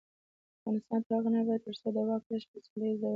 افغانستان تر هغو نه ابادیږي، ترڅو د واک لیږد په سوله ییز ډول ونشي.